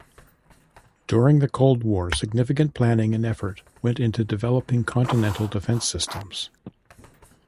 During the Cold War significant planning and effort went into developing continental defense systems.